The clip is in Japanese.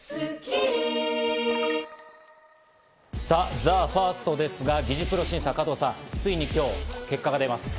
ＴＨＥＦＩＲＳＴですが、擬似プロ審査、ついに今日結果が出ます。